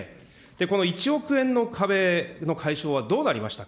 この１億円の壁の解消はどうなりましたか。